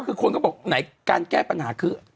เป็นการกระตุ้นการไหลเวียนของเลือด